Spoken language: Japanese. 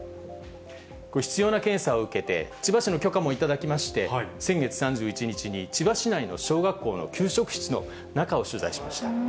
これ、必要な検査を受けて、千葉市の許可も頂きまして、先月３１日に千葉市内の小学校の給食室の中を取材しました。